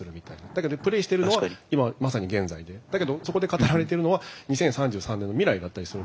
だけどプレイしているのは今まさに現在でだけどそこで語られてるのは２０３３年の未来だったりするんですよね。